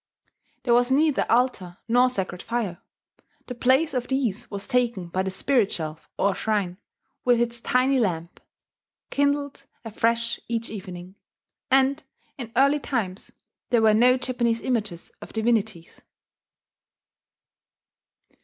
There was neither altar nor sacred fire: the place of these was taken by the spirit shelf or shrine, with its tiny lamp, kindled afresh each evening; and, in early times, there were no Japanese images of divinities.